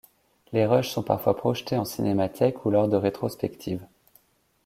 Les rushes sont parfois projetés en cinémathèque ou lors de rétrospective.